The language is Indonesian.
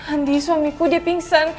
andi suamiku dia pingsan